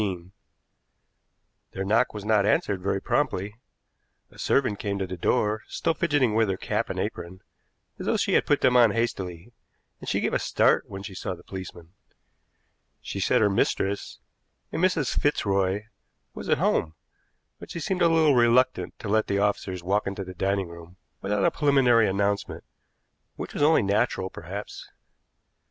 Their knock was not answered very promptly. A servant came to the door, still fidgeting with her cap and apron, as though she had put them on hastily, and she gave a start when she saw the policeman. She said her mistress a Mrs. Fitzroy was at home, but she seemed a little reluctant to let the officers walk into the dining room without a preliminary announcement, which was only natural, perhaps.